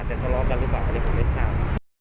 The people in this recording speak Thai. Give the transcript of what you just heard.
ทะเลาะกันหรือเปล่าอันนี้ผมไม่ทราบ